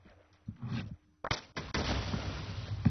今天天空很藍，很好看